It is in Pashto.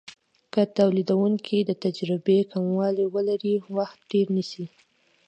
که تولیدونکی د تجربې کموالی ولري وخت ډیر نیسي.